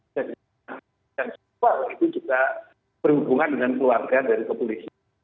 dan juga itu juga berhubungan dengan keluarga dari kepolisian